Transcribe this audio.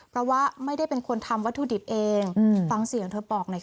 เพราะว่าไม่ได้เป็นคนทำวัตถุดิบเองฟังเสียงเธอบอกหน่อยค่ะ